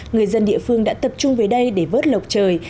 người dân địa phương đã tập trung về đây để vớt lộc trời